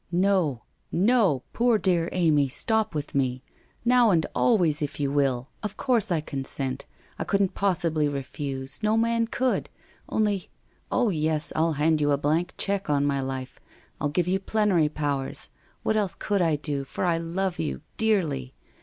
' No, no, poor dear Amy, stop with me ! Now, and always if you will! Of course I consent. I couldn't possibly refuse — no man could. Only —! Oh, yes, I'll hand you a blank cheque on my life — I'll give you plenary powers. What else could I do, for I love you, dearly.